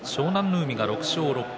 海が６勝６敗。